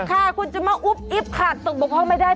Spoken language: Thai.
ค่ะคุณจะมาอุ๊บอิ๊บขาดตึกบกพ่องไม่ได้